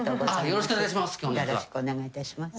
よろしくお願いします。